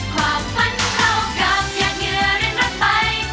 ความฝันเข้ากับยากเหงื่อเร่งรักไป